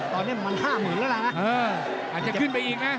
ตอนนี้มัน๕๐๐๐แล้วนะอาจจะขึ้นไปอีกนะ